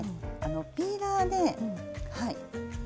ピーラーで。